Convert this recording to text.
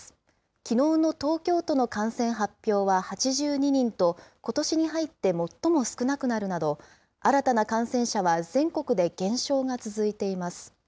きのうの東京都の感染発表は８２人と、ことしに入って最も少なくなるなど、新たな感染者は全国で減少が続いています。